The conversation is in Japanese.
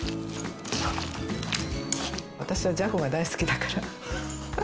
私はじゃこが大好きだから。